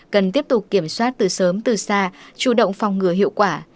cần tiếp tục kiểm soát từ sớm từ xa chủ động phòng ngừa hiệu quả